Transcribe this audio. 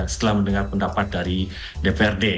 setelah mendengar pendapat dari dprd